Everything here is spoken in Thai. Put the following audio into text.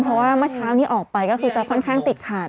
เพราะว่าเมื่อเช้านี้ออกไปก็คือจะค่อนข้างติดขาด